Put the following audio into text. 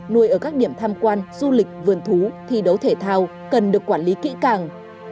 nuôi ở các điểm tham quan du lịch vườn thú thi đấu thể thao cần được quản lý kỹ càng